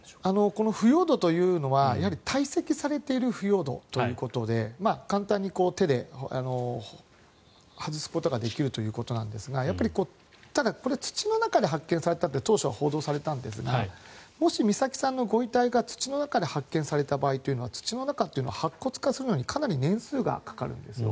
この腐葉土というのはたい積されている腐葉土ということで簡単に手で外すことができるということなんですがただこれは土の中で発見されたと当初は報道されたんですがもし美咲さんのご遺体が土の中で発見された場合というのは土の中は白骨化するのにかなり年数がかかるんですよ。